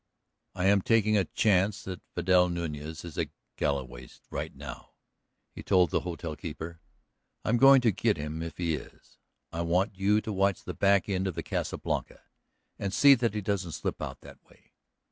"I am taking a chance that Vidal Nuñez is at Galloway's right now," he told the hotel keeper. "I am going to get him if he is. I want you to watch the back end of the Casa Blanca and see that he doesn't slip out that way.